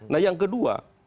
nah yang kedua